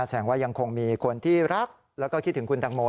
แสดงว่ายังคงมีคนที่รักแล้วก็คิดถึงคุณตังโม